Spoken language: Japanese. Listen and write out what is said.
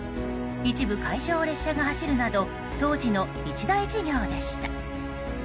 一部、海上を列車が走るなど当時の一大事業でした。